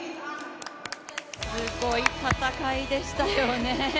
すごい戦いでしたよね。